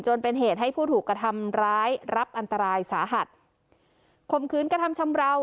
จนเป็นเหตุให้ผู้ถูกกระทำร้ายรับอันตรายสาหัสข่มขืนกระทำชำราว